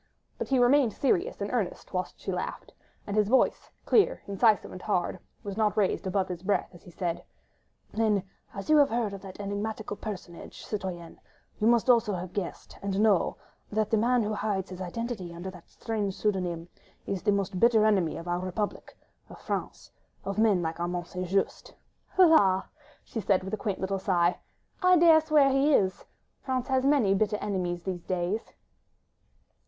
But he remained serious and earnest whilst she laughed, and his voice, clear, incisive, and hard, was not raised above his breath as he said,— "Then, as you have heard of that enigmatical personage, citoyenne, you must also have guessed, and known, that the man who hides his identity under that strange pseudonym, is the most bitter enemy of our republic, of France ... of men like Armand St. Just." "La! ..." she said, with a quaint little sigh, "I dare swear he is. ... France has many bitter enemies these days."